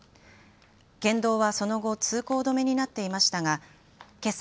県道はその後、通行止めになっていましたがけさ